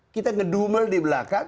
kita ngedumel di belakang